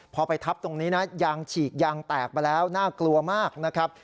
พอไปทับตรงนี้นะยางฉีกยางแตกไปแล้วน่ากลัวมากนะครับ